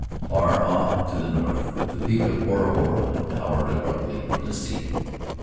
Far off to the north, the peak of Bora Bora towered abruptly from the sea.